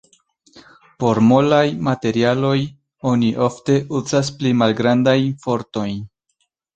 Por molaj materialoj oni ofte uzas pli malgrandajn fortojn.